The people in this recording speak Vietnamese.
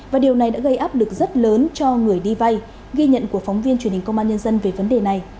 và điều này đã gây áp lực rất lớn cho người đi vay ghi nhận của phóng viên truyền hình công an nhân dân về vấn đề này